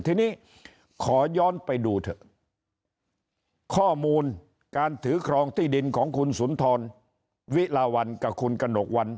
ทีนี้ขอย้อนไปดูเถอะข้อมูลการถือครองที่ดินของคุณสุนทรวิลาวันกับคุณกระหนกวัน